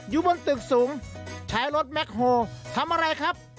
อยู่บนตึกสูงใช้รถแคคโฮลทำอะไรครับ